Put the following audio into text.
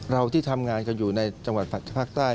ที่ทำงานกันอยู่ในจังหวัดภาคใต้